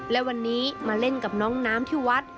และวันนี้มาเล่นกับน้องน้ำที่วัด